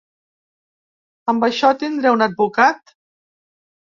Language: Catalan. “Amb això tindré un advocat?”